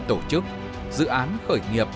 tổ chức dự án khởi nghiệp